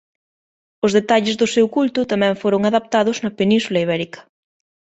Os detalles do seu culto tamén foron adaptados na Península Ibérica.